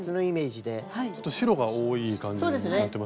ちょっと白が多い感じにやってますよね？